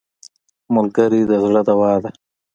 ملګری د زړه دوا ده